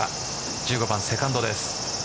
１５番セカンドです。